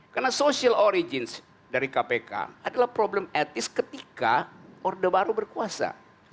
karena social origins dari kpk adalah problem etnis ketika order baru berkuasa